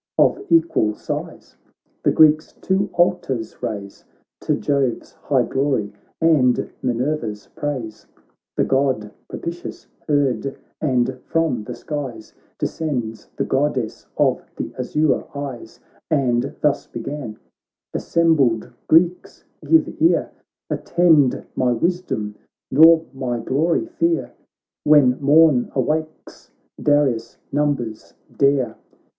Of equal size, the Greeks two altars raise To Jove's high glory, and Minerva's praise ; The God propitious heard, and from the skies Descends the Goddess of the azure eyes, And thus began — "Assembled Greeks, give ear, Attend my wisdom, nor my glory fear ; When morn awakes, Darius' numbers dare.